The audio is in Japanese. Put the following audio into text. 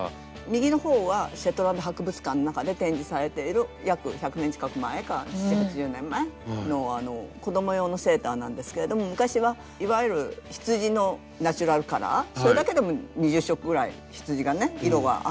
右のほうはシェットランド博物館の中で展示されている約１００年近く前か７０８０年前の子供用のセーターなんですけれども昔はいわゆる羊のナチュラルカラーそれだけでも２０色ぐらい羊がね色があるんですけれども。